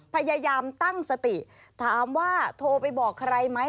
พยายามตั้งสติถามว่าโทรไปบอกใครไหม